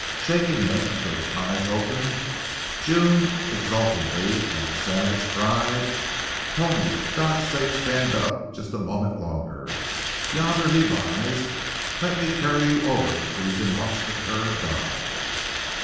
Shaking him until his eyes opened, June, exultingly as a savage, cried, "Tony, for God's sake stand up just a moment longer. Yonder he lies. Let me carry you over so you can watch the cur die."